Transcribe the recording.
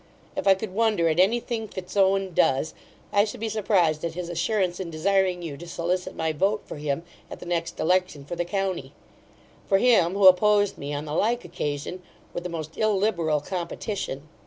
If I could wonder at any thing Fitzowen does, I should be surprized at his assurance in desiring you to solicit my vote for him at the next election for the county: for him, who opposed me, on the like occasion, with the most illiberal competition.